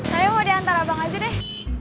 saya mau diantar bang aja deh